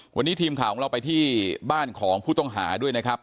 วันนี้ทีมข่าวของเราไปที่บ้านของผู้ต้องหาด้วยนะครับ